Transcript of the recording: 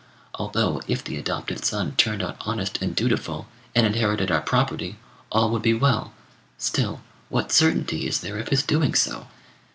Although, if the adopted son turned out honest and dutiful, and inherited our property, all would be well; still, what certainty is there of his doing so?